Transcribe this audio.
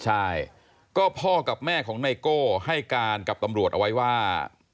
ใช่ก็พ่อกับแม่ของไนโก้ให้การกับตำรวจเอาไว้ว่า